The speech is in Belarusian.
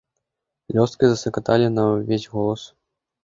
Лёсткі засакаталі на ўвесь голас.